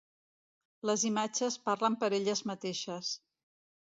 Les imatges parlen per elles mateixes.